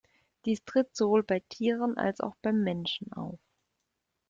Dies tritt sowohl bei Tieren als auch beim Menschen auf.